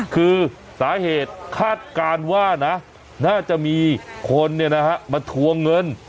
คือสาเหตุคาดการณ์ว่านะน่าจะมีคนมาทวงเงิน